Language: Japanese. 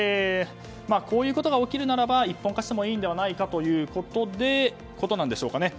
こういうことが起きるならば一本化してもいいのではないかということなのでしょうか。